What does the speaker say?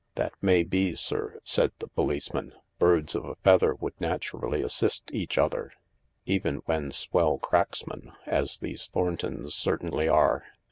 "That may be, sir," said the policeman. "Birds of a feather would naturally assist each other— even when swell cracksmen, as these Thorntons certainly are.